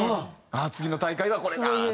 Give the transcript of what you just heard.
「次の大会はこれだ」と。